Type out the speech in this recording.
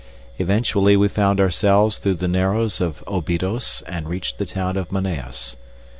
Eventually we found ourselves through the narrows of Obidos and reached the town of Manaos.